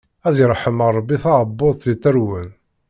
Ad irḥem Ṛebbi taɛebbuḍt yettarwen.